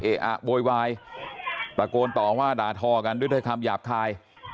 อะโวยวายตะโกนต่อว่าด่าทอกันด้วยคำหยาบคาย